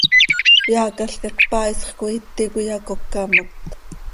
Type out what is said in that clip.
Eaacalca cpaaisx coi íti cöiyacócamot.